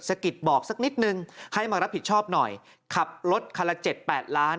กิดบอกสักนิดนึงให้มารับผิดชอบหน่อยขับรถคันละเจ็ดแปดล้าน